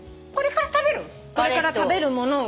これから食べるものをとか。